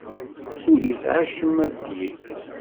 Ur yesɛi acemma ad t-yeg.